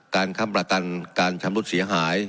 การคำประกันการทำรถเสียหาย